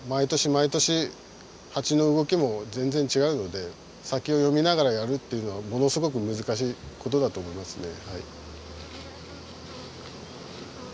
毎年ハチの動きも全然違うので先を読みながらやるというのはものすごく難しいことだと思いますね。